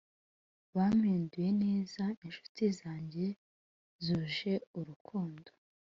bampinduye neza inshuti zanjye zuje urukundo.